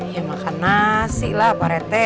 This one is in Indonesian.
ya makan nasi lah apa rete